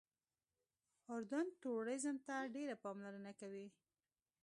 اردن ټوریزم ته ډېره پاملرنه کوي.